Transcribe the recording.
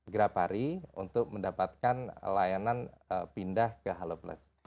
grapari untuk mendapatkan layanan pindah ke halo plus